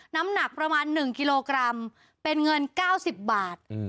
น้ำหนักประมาณหนึ่งกิโลกรัมเป็นเงินเก้าสิบบาท